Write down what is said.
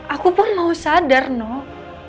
aku pun mau sadar nok